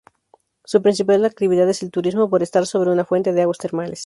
Su principal actividad es el turismo, por estar sobre una fuente de aguas termales.